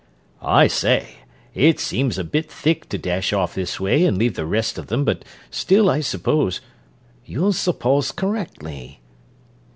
"I say, it seems a bit thick to dash off this way and leave the rest of them; but still, I suppose...." "You suppose correctly."